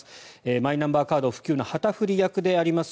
マイナンバーカード普及の旗振り役であります